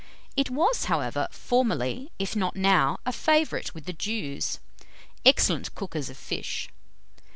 It was, however, formerly, if not now, a favourite with the Jews, excellent cookers of fish.